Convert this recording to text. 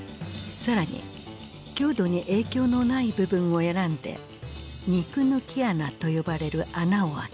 更に強度に影響のない部分を選んで肉抜き穴と呼ばれる穴を開けた。